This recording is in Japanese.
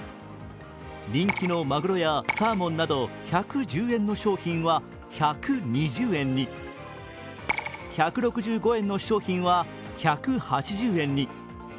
人気のまぐろやサーモンなど人気の商品は１１０円から１２０円に１６５円の商品は１８０円に。